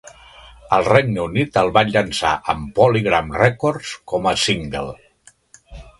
Al Regne Unit el van llançar amb PolyGram Records com a single.